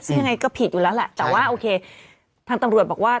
ซึ่งยังไงก็ผิดอยู่แล้วแหละแต่ว่าโอเคทางตำรวจบอกว่า